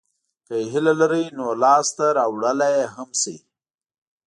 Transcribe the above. که یې هیله لرئ نو لاسته راوړلای یې هم شئ.